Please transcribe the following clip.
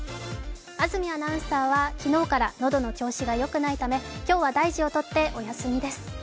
安住アナウンサーは昨日から喉の調子がよくないため、今日は大事をとってお休みです。